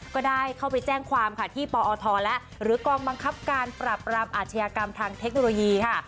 ก็ได้เข้าไปแจ้งความค่ะที่ปอทและหรือกองบังคับการปรับรามอาชญากรรมทางเทคโนโลยีค่ะ